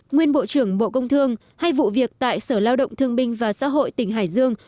nguyên bộ trưởng bộ công thương hay vụ việc tại sở lao động thương binh và xã hội tỉnh hải dương